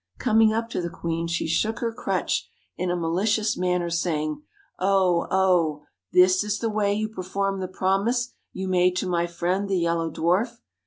Coming up to the queen, she shook 102 her crutch in a malicious manner, saying, 'Oh, oh, THE this is the way you perform the promise you made YELLOW to my friend the Yellow Dwarf.